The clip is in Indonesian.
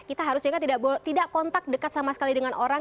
kita harus juga tidak kontak dekat sama sekali dengan orang